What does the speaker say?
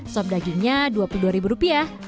sop dagingnya dua puluh dua ribu rupiah